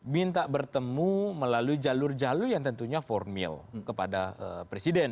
minta bertemu melalui jalur jalur yang tentunya formil kepada presiden